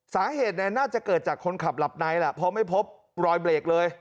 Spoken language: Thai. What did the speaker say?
สาเหตุน่าจะเกิดจากคนขับหลับในแหละเพราะไม่พบรอยเบรกเลย